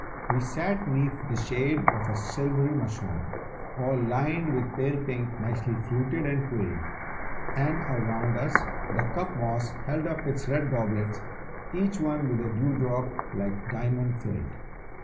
We sat 'neath the shade of a silvery mushroom, All lined with pale pink, nicely fluted and quilled, And around us the cup moss held up its red goblets, Each one with a dew drop like diamond filled.